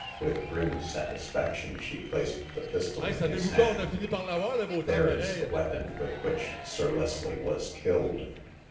With grim satisfaction she placed the pistol in his hand. '* There is the weapon with which Sir Leslie was killed